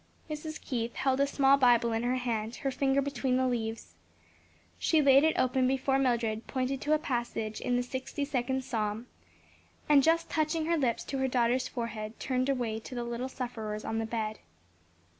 Mrs. Keith had a small Bible in her hand, her finger between the leaves. She laid it open before Mildred, pointed to a passage in the sixty second psalm, and just touching her lips to her daughter's forehead, turned away to the little sufferers on the bed.